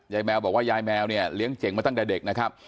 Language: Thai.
แมวบอกว่ายายแมวเนี่ยเลี้ยงเจ๋งมาตั้งแต่เด็กนะครับ